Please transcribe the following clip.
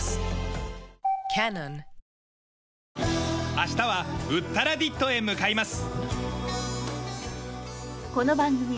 明日はウッタラディットへ向かいます。